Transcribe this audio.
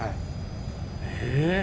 え。